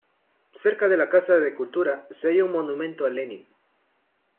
Cerca de la Casa de Cultura se halla un monumento a Lenin.